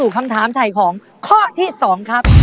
คำถามถ่ายของข้อที่๒ครับ